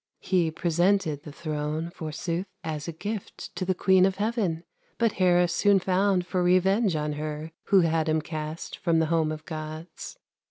He presented the throne, Forsooth, as a gift To the queen of heaven; But Hera soon found For revenge on her Who had him cast From the home of Gods.